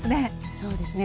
そうですね。